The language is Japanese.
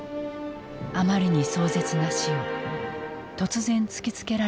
あまりに壮絶な死を突然突きつけられた銃後の人々。